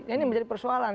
ini menjadi persoalan